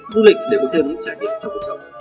du lịch để có thêm những trải nghiệm cho quốc châu